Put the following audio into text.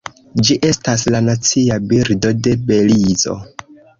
Ĝi estas la nacia birdo de Belizo.